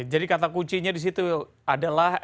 jadi kata kuncinya di situ adalah